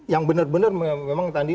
yang benar benar memang tadi